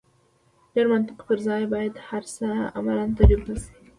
ډېر منطق پر ځای باید هر څه عملاً تجربه شي.